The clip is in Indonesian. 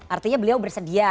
artinya beliau bersedia